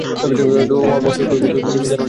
তো, অমর, তুমি জানো না সে এখন কোথায় আছে?